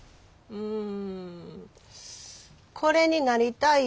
うん。